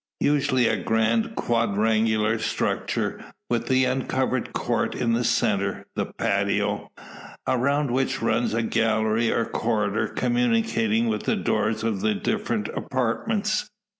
Usually a grand quadrangular structure, with an uncovered court in the centre, the patio; around which runs a gallery or corridor, communicating with the doors of the different apartments.